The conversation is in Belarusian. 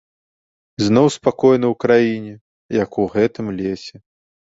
Зноў спакойна ў краіне, як у гэтым лесе.